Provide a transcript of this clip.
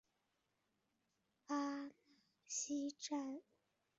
阿讷西站位于阿讷西市区内。